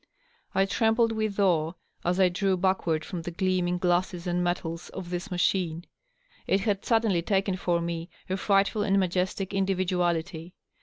I trembled with awe as I drew backward from the gleaming glasses and metals of this machine. It had suddenly taken for me a frightful and majestic individuality.